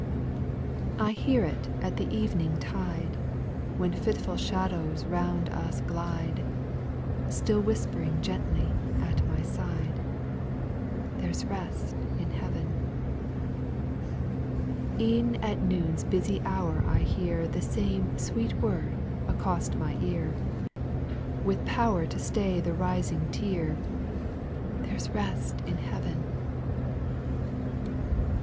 I hear it at the evening tide, When fitful shadows round us glide, Still whispering gently at my side, " There 's rest in heaven." 8. E'en at noon's busy hour I hear The same sweet word accost my ear, With power to stay the rising tear, —" There 's rest in heaven."